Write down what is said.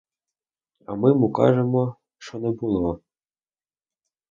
А ми му кажемо, шо не було.